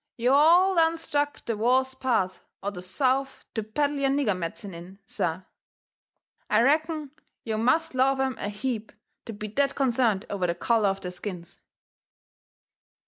"Yo' all done struck the wo'st paht o' the South to peddle yo' niggah medicine in, sah. I reckon yo' must love 'em a heap to be that concerned over the colour of their skins."